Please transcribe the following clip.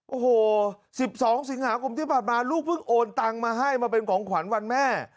โอ้โห๑๒สิงหาคมที่ผ่านมาลูกเพิ่งโอนตังมาให้มาเป็นของขวัญวันแม่